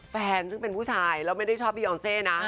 แฟนซึ่งเป็นผู้ชายแล้วไม่ได้ชอบพี่ออนเซนะ